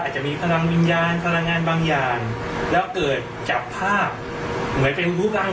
จะมีพลังวิญญาณพลังงานบางอย่างแล้วเกิดจากภาพเหมือนเป็นผู้บัง